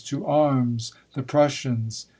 to arms ! the Prussians !